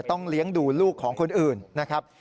ต้องเลี้ยงดูลูกของคนอื่นนะครับ